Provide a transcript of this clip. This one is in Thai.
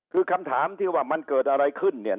คือคำถามที่ว่ามันเกิดอะไรขึ้นเนี่ย